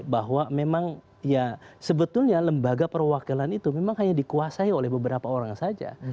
bahwa memang ya sebetulnya lembaga perwakilan itu memang hanya dikuasai oleh beberapa orang saja